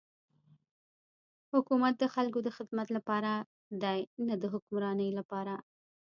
حکومت د خلکو د خدمت لپاره دی نه د حکمرانی لپاره.